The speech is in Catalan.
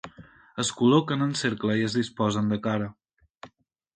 Es col·loquen en cercle i es disposen de cara.